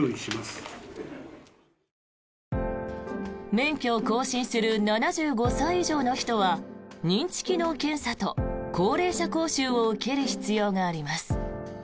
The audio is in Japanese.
免許を更新する７５歳以上の人は認知機能検査と高齢者講習を受ける必要があります。